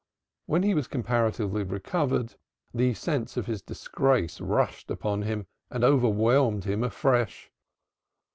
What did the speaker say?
When he was comparatively recovered the sense of his disgrace rushed upon him and overwhelmed him afresh.